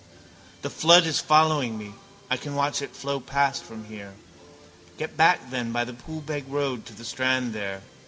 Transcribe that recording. The flood is following me. I can watch it flow past from here. Get back then by the Poolbeg road to the strand there.